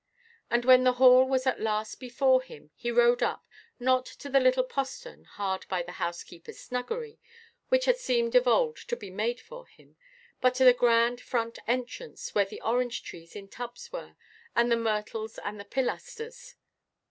And when the Hall was at last before him, he rode up, not to the little postern hard by the housekeeperʼs snuggery (which had seemed of old to be made for him), but to the grand front entrance, where the orange–trees in tubs were, and the myrtles, and the pilasters.